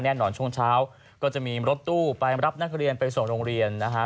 ช่วงเช้าก็จะมีรถตู้ไปรับนักเรียนไปส่งโรงเรียนนะฮะ